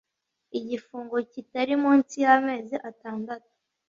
Igifungo kitari munsi y’amezi atandatu